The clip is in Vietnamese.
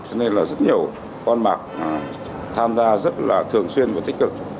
cho nên là rất nhiều con bạc tham gia rất là thường xuyên và tích cực